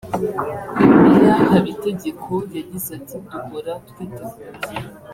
Meya Habitegeko yagize ati ’’Duhora twiteguye